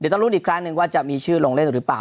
ต้องลุ้นอีกครั้งหนึ่งว่าจะมีชื่อลงเล่นหรือเปล่า